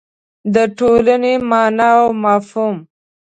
د ټولنې مانا او مفهوم